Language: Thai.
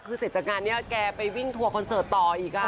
คือเสร็จจากงานนี้แกไปวิ่งทัวร์คอนเสิร์ตต่ออีก